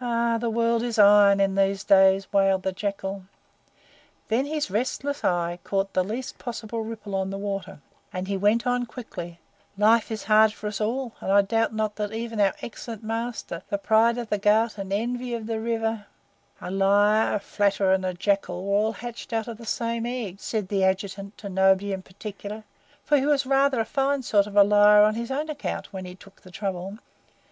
"Ahai! The world is iron in these days," wailed the Jackal. Then his restless eye caught the least possible ripple on the water, and he went on quickly: "Life is hard for us all, and I doubt not that even our excellent master, the Pride of the Ghaut and the Envy of the River " "A liar, a flatterer, and a Jackal were all hatched out of the same egg," said the Adjutant to nobody in particular; for he was rather a fine sort of a liar on his own account when he took the trouble.